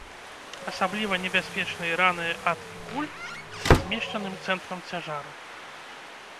Асабліва небяспечныя раны ад і куль са змешчаным цэнтрам цяжару.